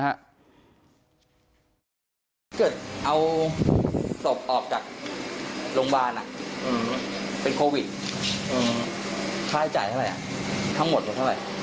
ถ้าเกิดเอาศพออกจากโรงพยาบาลเป็นโควิดค่าใช้จ่ายเท่าไหร่ทั้งหมดเท่าไหร่